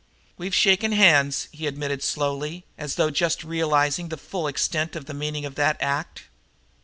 "We've shaken hands," he admitted slowly, as though just realizing the full extent of the meaning of that act.